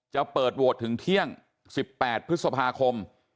จะเปิดโหวตถึงเที่ยง๑๘พฤษภาคม